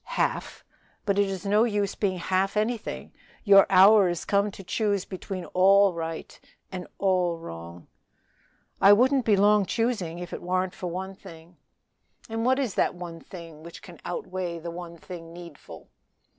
"Half! but it is no use being half anything; your hour is come to choose between all right and all wrong." "I wouldn't be long choosing if it warn't for one thing." "And what is that one thing which can outweigh the one thing needful?"